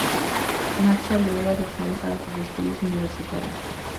Marcha luego a Dijon para sus estudios universitarios.